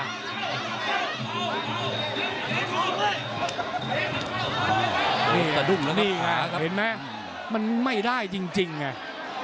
นี่ค่ะนี่ค่ะเห็นไหมมันไม่ได้จริงอ่ะ